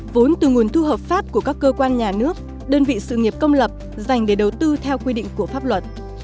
vốn từ nguồn thu hợp pháp của các cơ quan nhà nước đơn vị sự nghiệp công lập dành để đầu tư theo quy định của pháp luật